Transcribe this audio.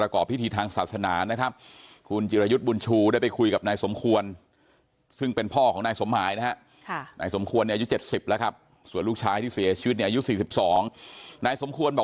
คนละคนกันเลยครับ